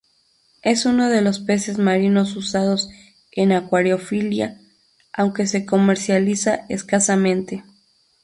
Es uno de los peces marinos usados en acuariofilia, aunque se comercializa escasamente.